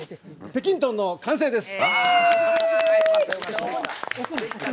「北京トン」の完成です！